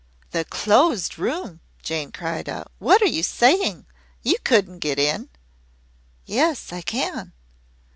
"The Closed Room!" Jane cried out. "What are you saying? You couldn't get in?" "Yes, I can."